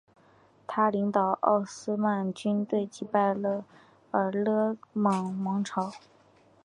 他领导奥斯曼军队击败了尕勒莽王朝。